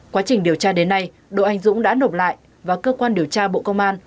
quá trình điều tra đến nay đỗ anh dũng đã nộp lại và cơ quan điều tra bộ công an